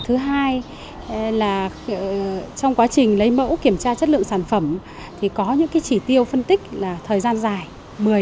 thứ hai là trong quá trình lấy mẫu kiểm tra chất lượng sản phẩm thì có những chỉ tiêu phân tích là thời gian dài